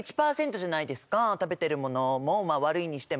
食べてるものもまあ悪いにしても。